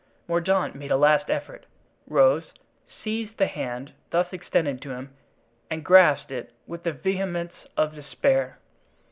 Mordaunt made a last effort—rose—seized the hand thus extended to him and grasped it with the vehemence of despair.